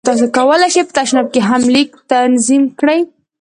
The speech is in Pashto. ایا تاسو کولی شئ په تشناب کې لیک هم تنظیم کړئ؟